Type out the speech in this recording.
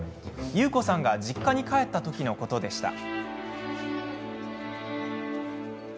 ゆうこさんが実家に帰った時のことでした。